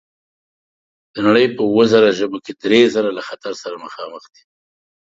د نړۍ په اووه زره ژبو کې درې زره له خطر سره مخامخ دي.